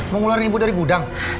mau ngeluarin ibu dari gudang